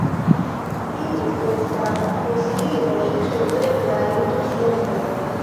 Ili estas fosilioj troveblaj tutmonde.